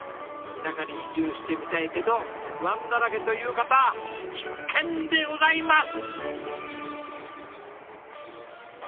田舎に移住してみたいけど不安だらけという方必見でございます！